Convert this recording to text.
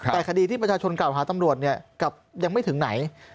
แต่คดีที่ประชาชนกล่าวหาตำรวจกลับยังไม่ถึงไหน